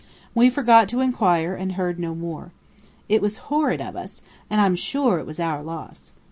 We forgot to inquire, and heard no more. It was horrid of us, and I'm sure it was our loss.